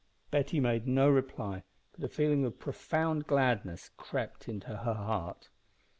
Betty made no reply, but a feeling of profound gladness crept into her heart.